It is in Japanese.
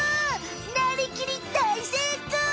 なりきり大成功！